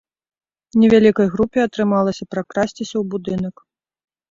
Невялікай групе атрымалася пракрасціся ў будынак.